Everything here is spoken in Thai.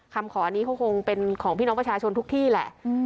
ขออันนี้เขาคงเป็นของพี่น้องประชาชนทุกที่แหละ